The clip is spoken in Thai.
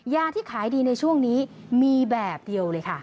ที่ขายดีในช่วงนี้มีแบบเดียวเลยค่ะ